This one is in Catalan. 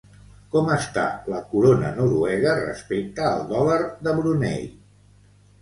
Com està la corona noruega respecte al dòlar de Brunei?